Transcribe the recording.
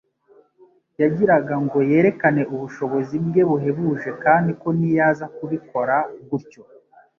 Yagiraga ngo yerekane ubushobozi bwe buhebuje kandi ko n'iyo aza kubikora gutyo